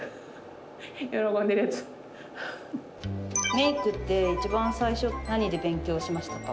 メイクって一番最初って何で勉強しましたか？